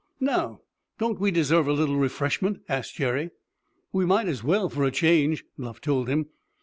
"Now, don't we deserve a little refreshment?" asked Jerry. "We might as well, for a change," Bluff told him.